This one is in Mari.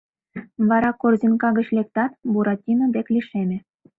Вара корзинка гыч лектат, Буратино дек лишеме.